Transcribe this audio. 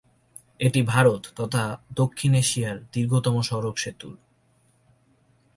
এটি ভারত তথা দক্ষিণ এশিয়ার দীর্ঘতম সড়ক সেতুর।